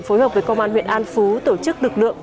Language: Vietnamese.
phối hợp với công an huyện an phú tổ chức lực lượng